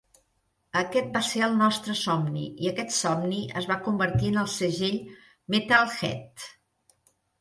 Aquest va ser el nostre somni i aquest somni es va convertir en el segell Metalheadz.